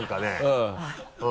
うん。